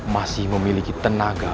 masih memiliki tenaga